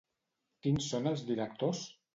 Quins són els directors?